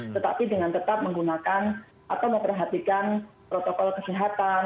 tetapi dengan tetap menggunakan atau memperhatikan protokol kesehatan